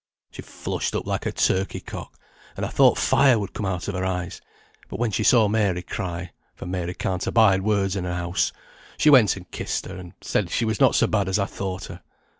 She flushed up like a turkey cock, and I thought fire would come out of her eyes; but when she saw Mary cry (for Mary can't abide words in a house), she went and kissed her, and said she was not so bad as I thought her.